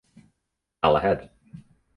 Al Ahed